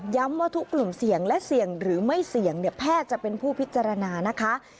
ว่าทุกกลุ่มเสี่ยงและเสี่ยงหรือไม่เสี่ยงเนี่ยแพทย์จะเป็นผู้พิจารณานะคะ